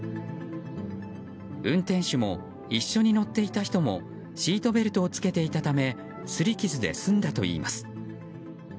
運転手も一緒に乗っていた人もシートベルトを着けていたためすり傷で済んだといいます。